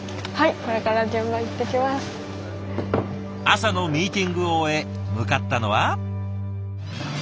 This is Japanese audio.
朝のミーティングを終え向かったのは。